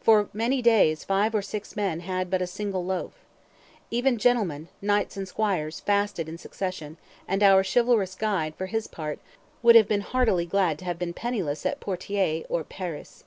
For many days five or six men had but a "single loaf." Even gentlemen, knights and squires, fasted in succession; and our chivalrous guide, for his part, "would have been heartily glad to have been penniless at Poitiers or Paris."